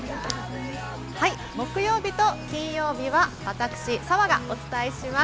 木曜日と金曜日は私、澤がお伝えします。